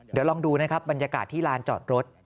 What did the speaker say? เดี๋ยวลองดูนะครับบรรยากาศที่ลานจอดรถ